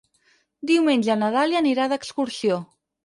Diumenge na Dàlia anirà d'excursió.